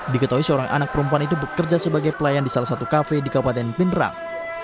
diketahui seorang anak perempuan itu bekerja sebagai pelayan di salah satu kafe di kabupaten pindrang